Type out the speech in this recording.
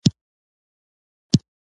تاسو د څه لپاره ښار ته ځئ؟